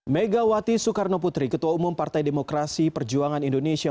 megawati soekarnoputri ketua umum partai demokrasi perjuangan indonesia